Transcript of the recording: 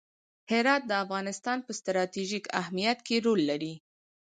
هرات د افغانستان په ستراتیژیک اهمیت کې رول لري.